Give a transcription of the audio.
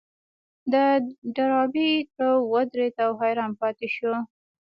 د ډاربي تره ودرېد او حيران پاتې شو.